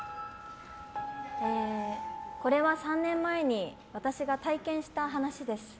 これは３年前に私が体験した話です。